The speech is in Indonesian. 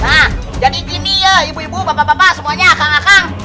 nah jadi gini ya ibu ibu bapak bapak semuanya akang